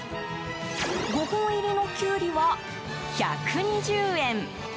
５本入りのキュウリは１２０円。